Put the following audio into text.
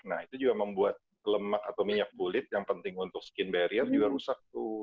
nah itu juga membuat lemak atau minyak kulit yang penting untuk skin barrier juga rusak tuh